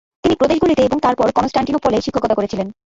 তিনি প্রদেশগুলিতে এবং তারপর কনস্টান্টিনোপলে শিক্ষকতা করেছিলেন।